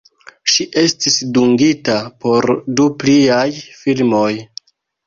Ŝi estis dungita por du pliaj filmoj.